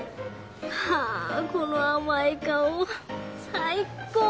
はぁこの甘い顔最高。